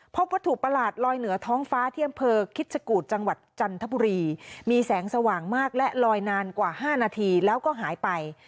พบวัตถุประหลาดลอยเหนือท้องฟ้าที่อำเภอคิชกูธจังหวัดจันทบุรีมีแสงสว่างมากและลอยนานกว่า๕นาทีแล้วก็หายไป